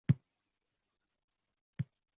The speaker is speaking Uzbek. Duh vagon.